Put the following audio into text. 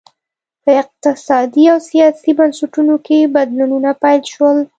په اقتصادي او سیاسي بنسټونو کې بدلونونه پیل شول